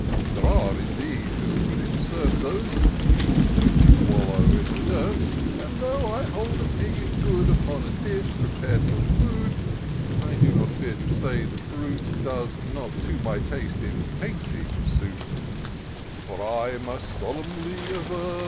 There are, indeed, who would insert Those pigs which wallow in the dirt ; And though I hold a pig is good Upon a dish, prepar'd for food, I do not fear to say the brute Does not my taste in painting suit ; For I most solemnly aver.